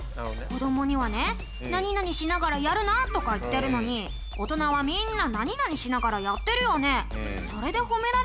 子どもにはね「何々しながらやるな」とか言ってるのに大人はみんな何々しながらやってるよね。